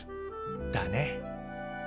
だね。